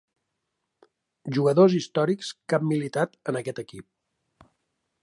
Jugadors històrics que han militat en aquest equip.